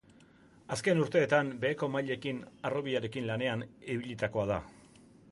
Azken urteetan beheko mailekin, harrobiarekin lanean ibilitakoa da.